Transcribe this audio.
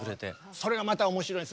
それがまた面白いんです。